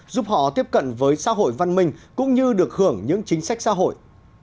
giúp họ tiếp cận với xã hội văn minh cũng như được hưởng những chính sách xã hội